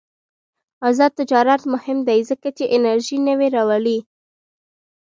آزاد تجارت مهم دی ځکه چې انرژي نوې راوړي.